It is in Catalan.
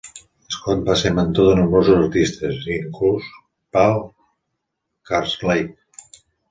Scott va ser mentor de nombrosos artistes, inclòs Paul Karslake.